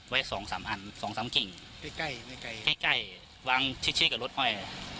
ไว้สองสามอันสองสามเก่งใกล้ใกล้ไม่ใกล้ใกล้ใกล้วางชิ๊กชิ๊กกับรถอ้อย